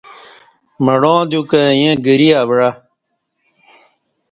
مڑاں دیوکں ییں گری او عہ